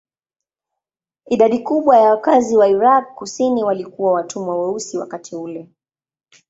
Idadi kubwa ya wakazi wa Irak kusini walikuwa watumwa weusi wakati ule.